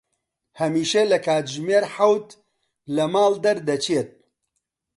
هەمیشە لە کاتژمێر حەوت لە ماڵ دەردەچێت.